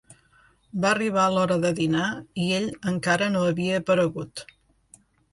Va arribar l'hora de dinar i ell encara no havia aparegut.